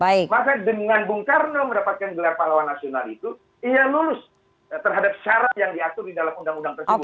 maka dengan bung karno mendapatkan gelar pahlawan nasional itu ia lulus terhadap syarat yang diatur di dalam undang undang tersebut